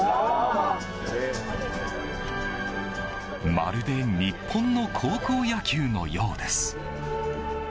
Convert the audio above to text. まるで日本の高校野球のようです。